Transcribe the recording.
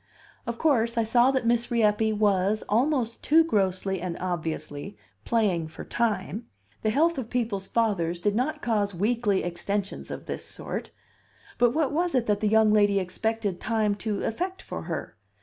Of course, I saw that Miss Rieppe was, almost too grossly and obviously, "playing for time"; the health of people's fathers did not cause weekly extensions of this sort. But what was it that the young lady expected time to effect for her?